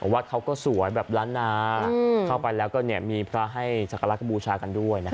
วัดเขาก็สวยแบบล้านนาเข้าไปแล้วก็มีพระให้สักการบูชากันด้วยนะครับ